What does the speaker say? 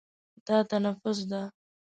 دا تنفس ده.